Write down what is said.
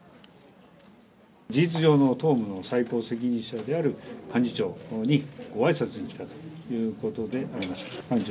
事実上の党務の最高責任者である幹事長に、ごあいさつに来たということであります。